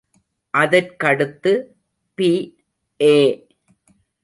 அதற்கடுத்து பி.ஏ.